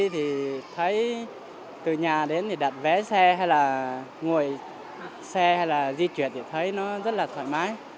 thì thấy từ nhà đến thì đặt vé xe hay là ngồi xe hay là di chuyển thì thấy nó rất là thoải mái